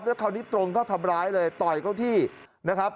แล้วคราวนี้ตรงเข้าทำร้ายเลยต่อยเข้าที่นะครับ